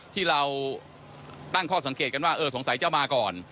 ที่เราตั้งข้อสังเกตกันว่าเออสงสัยจะมาก่อน